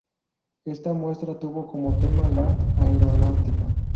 Esta muestra tuvo como tema la aeronáutica.